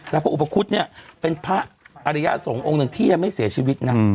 แล้วพระอุปคุฎเนี่ยเป็นพระอริยสงฆ์องค์หนึ่งที่ยังไม่เสียชีวิตนะ